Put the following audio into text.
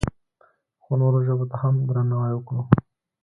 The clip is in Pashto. خو نورو ژبو ته هم درناوی وکړو.